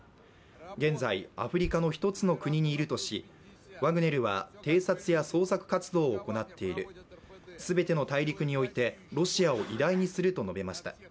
現在アフリカの１つの国にいるとしワグネルは偵察や捜索活動を行っている、全ての大陸においてロシアを偉大にすると述べました。